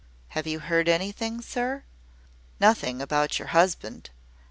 "Have you heard anything, sir?" "Nothing about your husband.